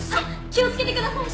気をつけてください。